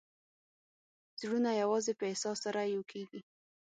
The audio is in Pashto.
زړونه یوازې په احساس سره یو کېږي.